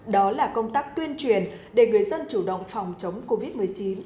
đó là công tác tuyên truyền để người dân chủ động phòng chống covid một mươi chín